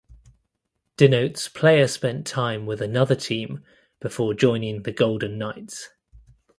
Denotes player spent time with another team before joining the Golden Knights.